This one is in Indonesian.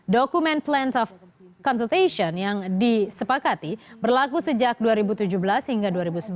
dokumen plant of consultation yang disepakati berlaku sejak dua ribu tujuh belas hingga dua ribu sembilan belas